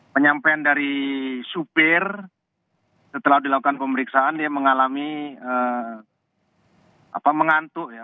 penyampaian dari supir setelah dilakukan pemeriksaan dia mengalami mengantuk ya